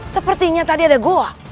sepertinya tadi ada gua